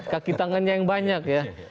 kaki tangannya yang banyak ya